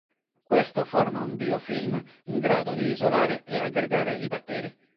Questo forma un biofilm in grado di isolare e aggregare i batteri.